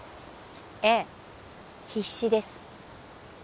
ええ必死です